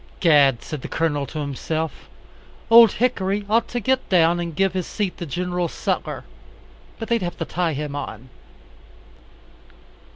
"Gad," said the Colonel to himself, "Old Hickory ought to get down and give his seat to Gen. Sutler but they'd have to tie him on."